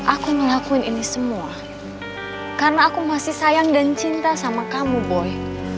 aku ngelakuin ini semua karena aku masih sayang dan cinta sama kamu boy